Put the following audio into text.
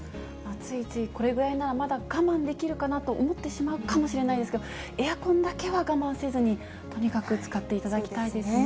ついついこれぐらいならまだ我慢できるかなと思ってしまうかもしれないですけれども、エアコンだけは我慢せずに、とにかく使っていただきたいですね。